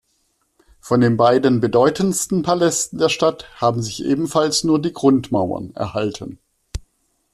Von den beiden bedeutendsten Palästen der Stadt haben sich ebenfalls nur die Grundmauern erhalten.